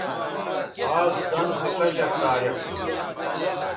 آز څَن سو کشک تاریخ تھو